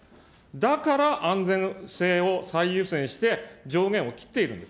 だから安全性を最優先して、上限を切っているんです。